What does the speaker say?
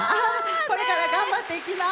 これから頑張っていきます！